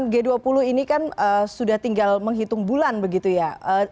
g dua puluh ini kan sudah tinggal menghitung bulan begitu ya